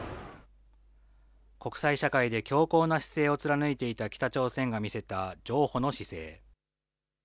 国際社会で強硬な姿勢を貫いていた北朝鮮が見せた譲歩の姿勢。